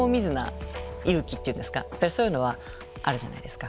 やっぱりそういうのはあるじゃないですか。